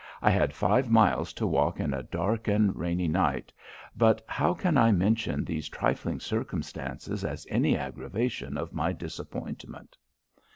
I had five miles to walkin a dark and rainy night: but how can I mention these trifling circumstances as any aggravation of my disappointment!"